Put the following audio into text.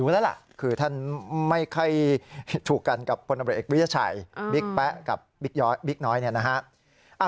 รู้แล้วล่ะคือท่านไม่เคยถูกกันกับพเวิชชัยบิ๊กแป๊ะกับบิ๊กน้อยเนี่ยนะฮะ